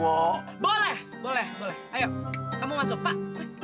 wow boleh boleh ayo kamu masuk pak